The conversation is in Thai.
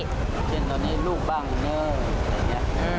อย่างเช่นตอนนี้ลูกบ้างเนิ่งอย่างนี้